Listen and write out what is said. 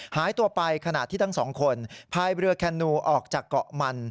หายตัวไปขณะที่ทั้งสองคนพายเรือแคนูออกจากเกาะมัน